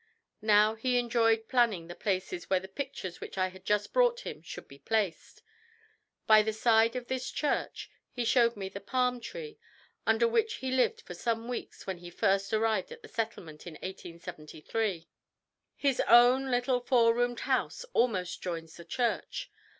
How he enjoyed planning the places where the pictures which I had just brought him should be placed! By the side of this church he showed me the palm tree under which he lived for some weeks when he first arrived at the settlement, in 1873. His own little four roomed house almost joins the church.